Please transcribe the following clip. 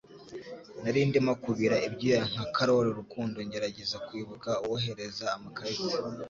Nari ndimo kubira ibyuya nka Carol Rukundo ngerageza kwibuka uwohereza amakarita